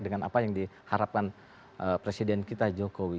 dengan apa yang diharapkan presiden kita jokowi